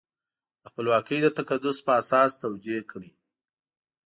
د خپلواکۍ د تقدس په اساس توجیه کړي.